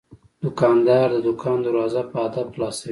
دوکاندار د دوکان دروازه په ادب خلاصوي.